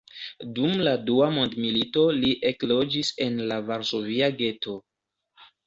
Dum la dua mondmilito li ekloĝis en la varsovia geto.